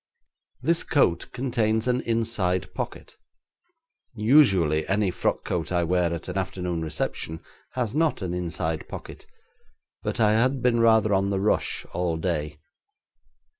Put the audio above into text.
'This coat contains an inside pocket. Usually any frock coat I wear at an afternoon reception has not an inside pocket, but I had been rather on the rush all day.